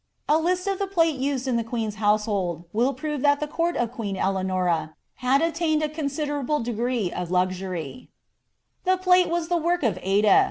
A list of the plate used in the queen's housfr 1l will prove that the court of Eleanom hail attained a considerabia « of luiury. The plate was the woik of Ade.